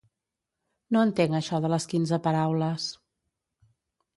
No entenc això de les quinze paraules.